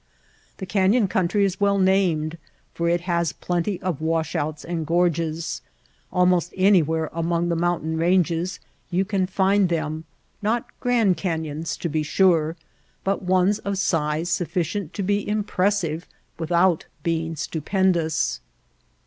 The Canyon country is well named, for it has plenty of wash outs and gorges. Almost any where among the mountain ranges you can find them — not Grand Canyons, to be sure, but ones of size sufiicient to be impressive without being stupendous.